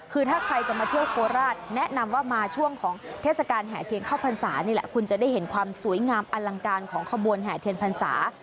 คือถ้าใครจะมาเที่ยวโคราชแนะนำว่ามาช่วงของเทศกาลแห่เทียนเข้าพรรษานี่แหละคุณจะได้เห็นความสวยงามอลังการของขบวนแห่เทียนพรรษา